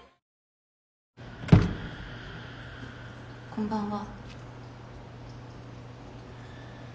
こんばんは。